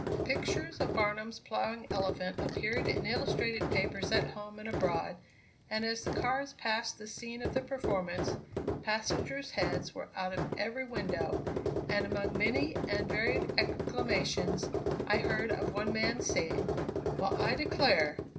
Pictures of Barnum's plowing elephant appeared in illustrated papers at home and abroad, and as the cars passed the scene of the performance, passengers' heads were out of every window, and among many and varied exclamations, I heard of one man's saying: "Well, I declare!